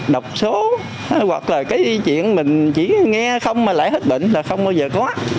đọc số hoặc là cái chuyện mình chỉ nghe không mà lại hết bệnh là không bao giờ có